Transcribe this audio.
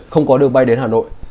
không có đường bay đến hà nội